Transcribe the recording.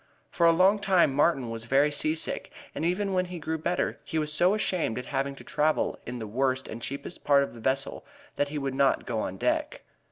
For a long time Martin was very seasick, and even when he grew better he was so ashamed at having to travel in the worst and cheapest part of the vessel that he would not go on deck.